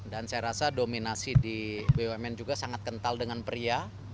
dan saya rasa dominasi di bumn juga sangat kental dengan pria